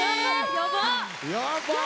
やばっ！